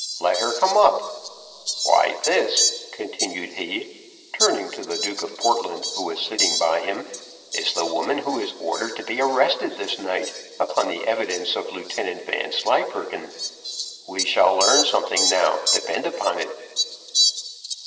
"Let her come up, why this," continued he, turning to the Duke of Portland, who was sitting by him, "is the woman who is ordered to be arrested this night, upon the evidence of Lieutenant Vanslyperken; we shall learn something now, depend upon it."